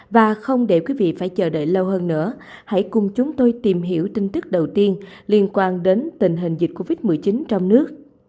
và không để quý vị phải chờ đợi lâu hơn nữa hãy cùng chúng tôi tìm hiểu tin tức đầu tiên liên quan đến tình hình dịch covid một mươi chín trong nước